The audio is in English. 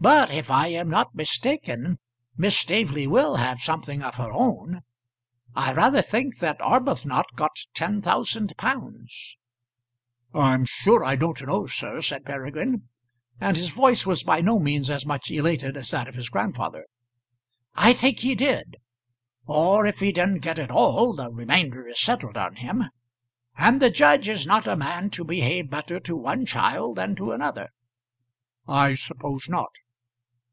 But if I am not mistaken Miss Staveley will have something of her own. I rather think that Arbuthnot got ten thousand pounds." "I'm sure I don't know, sir," said Peregrine; and his voice was by no means as much elated as that of his grandfather. "I think he did; or if he didn't get it all, the remainder is settled on him. And the judge is not a man to behave better to one child than to another." "I suppose not."